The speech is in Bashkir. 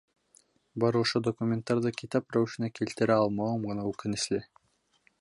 Бары ошо документтарҙы китап рәүешенә килтерә алмауым ғына үкенесле...